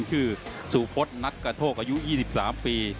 ชื่อสูพศนัทกาโธกอายุ๒๓ปี